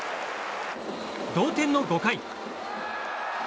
同点の５回。